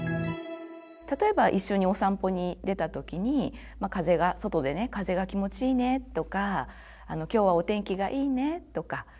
例えば一緒にお散歩に出た時に外でね「風が気持ちいいね」とか「今日はお天気がいいね」とか。